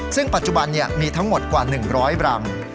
ซึ่งปัจจุบันมีทั้งหมดกว่า๑๐๐รัง